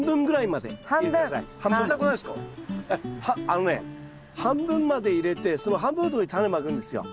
あのね半分まで入れてその半分のとこにタネまくんですよ。